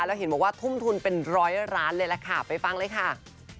แล้วเห็นบอกว่าทุ่มทุนเป็นร้อยล้านเลยล่ะค่ะไปฟังเลยค่ะ